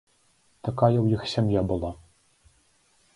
Такая ў іх сям'я была.